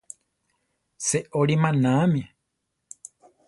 Seolí manáame.